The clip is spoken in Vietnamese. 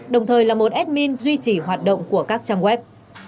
đồng thời là một admin duy trì hoạt động của các trang web